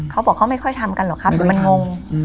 เขาบอกเขาไม่ค่อยทำกันหรอกครับเดี๋ยวมันงง